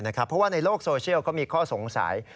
เพราะว่าในโลกโซเชียลก็มีข้อสงสัย